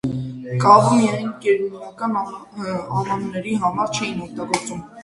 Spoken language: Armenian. Կավը միայն կերմիկական ամանների համար չէին օգտագործում։